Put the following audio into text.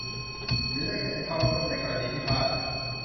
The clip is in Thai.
หรือได้เข้าร่วมในกรณีพิพาท